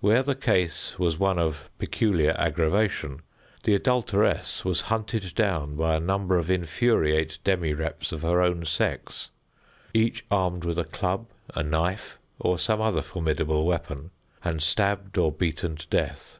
Where the case was one of peculiar aggravation, the adulteress was hunted down by a number of infuriate demireps of her own sex, each armed with a club, a knife, or some other formidable weapon, and stabbed or beaten to death.